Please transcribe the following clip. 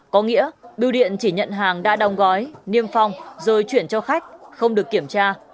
có nghĩa biêu điện chỉ nhận hàng đã đong gói niêm phong rồi chuyển cho khách không được kiểm tra